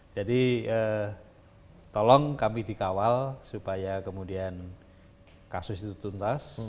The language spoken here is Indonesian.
jadi tolong kami dikawal supaya kemudian kasus itu tuntas